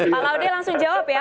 pak laude langsung jawab ya